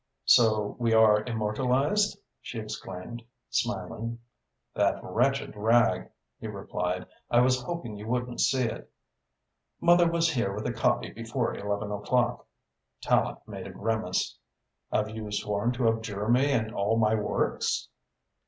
"So we are immortalised!" she exclaimed, smiling. "That wretched rag!" he replied. "I was hoping you wouldn't see it." "Mother was here with a copy before eleven o'clock." Tallente made a grimace. "Have you sworn to abjure me and all my works?"